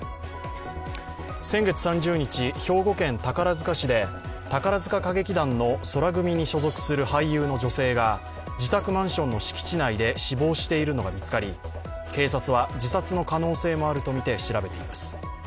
先月３０日、兵庫県宝塚市で宝塚歌劇団の宙組に所属する俳優の女性が自宅マンションの敷地内で死亡しているのが見つかり警察は自殺の可能性もあるとみて調べています。